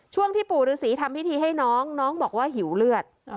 ที่ปู่ฤษีทำพิธีให้น้องน้องบอกว่าหิวเลือด